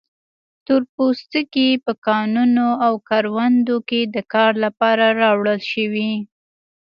تور پوستکي په کانونو او کروندو کې د کار لپاره راوړل شوي.